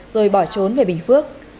rồi bỏ trốn về bình phước